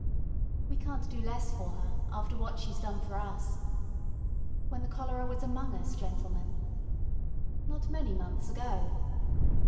We can't du less for her, after what she's done for us , when the cholera was among us, gentlemen , not many months ago